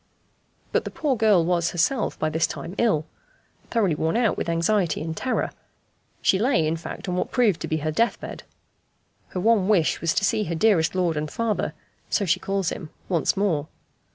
But the poor girl was herself, by this time, ill thoroughly worn out with anxiety and terror; she lay, in fact, on what proved to be her death bed. Her one wish was to see her dearest lord and father, so she calls him, once more.